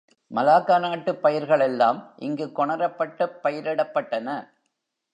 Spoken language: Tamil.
மலாக்கா நாட்டுப் பயிர்கள் எல்லாம் இங்குக் கொணரப்பட்டுப் பயிரிடப்பட்டன.